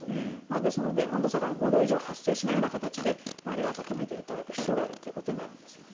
ですので温度差が５度以上発生しないような形で暖めていただく必要があるということになるんですね。